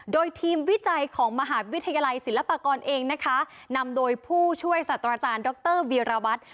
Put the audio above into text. โดยทีมวิจัยของมหาวิทยาลัยศิลปากรเองนะคะนำโดยผู้ช่วยสัตว์อาจารย์ดรวีรวัตร